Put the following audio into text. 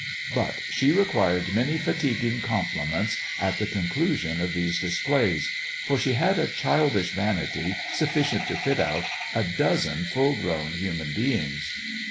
But she required many fatiguing compliments at the conclusion of these displays, for she had a childish vanity sufficient to fit out a dozen full grown human beings.